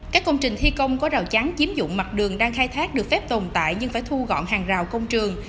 các công trình thi công có rào chắn chiếm dụng mặt đường đang khai thác được phép tồn tại nhưng phải thu gọn hàng rào công trường